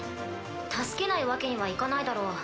助けないわけにはいかないだろう